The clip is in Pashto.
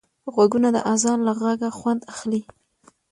غوږونه د اذان له غږه خوند اخلي